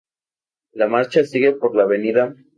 La marcha sigue por la Av.